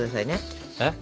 えっ？